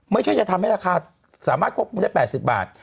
ไม่ใช่จะทำให้ราคาสามารถควบคุมได้๘๐บาท